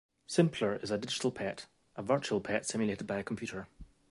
Simpler is a digital pet, a virtual pet simulated by a computer.